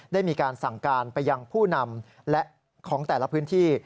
ได้มีการสั่งการไปยังผู้นำและของแต่ละพื้นที่